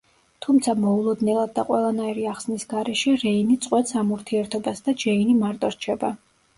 თუმცა მოულოდნელად და ყველანაირი ახსნის გარეშე რეინი წვეტს ამ ურთიერთობას და ჯეინი მარტო რჩება.